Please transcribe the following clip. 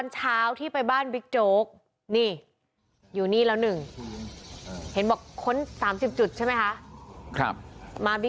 ชื่อปรีศาลครับชื่ออันตรวจตรี